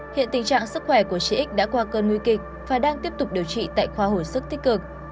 hiện tình trạng sức khỏe của chị x đã qua cơn nguy kịch và đang tiếp tục điều trị tại khoa hồi sức tích cực